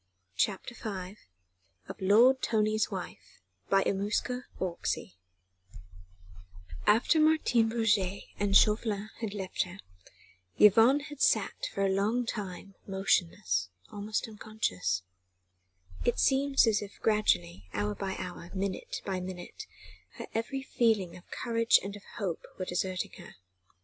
CHAPTER V THE MESSAGE OF HOPE I After Martin Roget and Chauvelin had left her, Yvonne had sat for a long time motionless, almost unconscious. It seemed as if gradually, hour by hour, minute by minute, her every feeling of courage and of hope were deserting her.